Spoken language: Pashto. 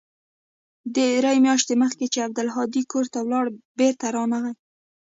درې مياشتې مخکې چې عبدالهادي کور ته ولاړ بېرته رانغى.